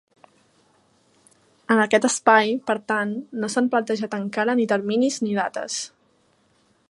En aquest espai, per tant, no s’han plantejat encara ni terminis ni dates.